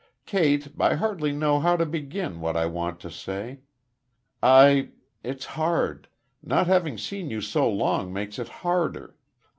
Kate, I hardly know how to begin what I want to say. I it's hard; not having seen you so long, makes it harder.